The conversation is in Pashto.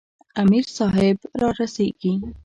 امیر صاحب را رسیږي.